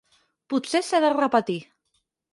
Potser s'ha de repetir.